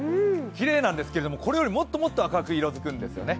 きれいなんですけど、これよりもっともっと赤く色づくんですよね。